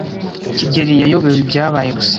kigeli yayobewe ibyabaye gusa.